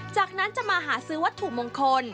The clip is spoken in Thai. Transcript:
จากนั้นจะมาหาซื้อวัตถุมงคล